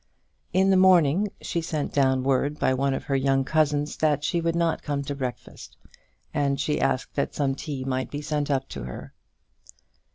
In the morning she sent down word by one of her young cousins that she would not come to breakfast, and she asked that some tea might be sent up to her.